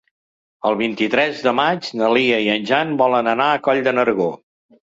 El vint-i-tres de maig na Lia i en Jan volen anar a Coll de Nargó.